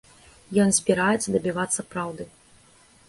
Ён збіраецца дабівацца праўды.